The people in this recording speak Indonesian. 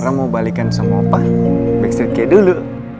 ra mau balikan sama opa backstreet kayak dulu